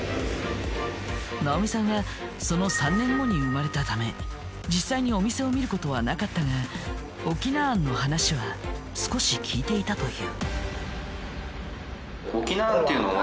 ナオミさんはその３年後に生まれたため実際にお店を見ることはなかったが翁庵の話は少し聞いていたという。